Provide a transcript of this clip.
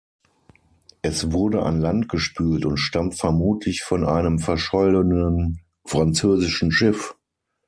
Es wurde an Land gespült und stammt vermutlich von einem verschollenen französischen Schiff.